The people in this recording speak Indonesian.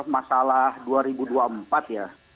masalah dua ribu dua puluh empat ya